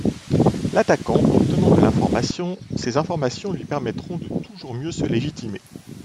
L’attaquant obtenant de l’information, ces informations lui permettront de toujours mieux se légitimer.